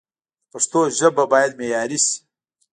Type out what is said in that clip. د پښتو ژبه باید معیاري شي